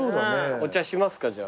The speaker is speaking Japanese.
お茶しますかじゃあ。